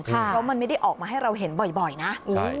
เพราะมันไม่ได้ออกมาให้เราเห็นบ่อยนะ